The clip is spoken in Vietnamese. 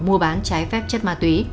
mua bán trái phép chất ma túy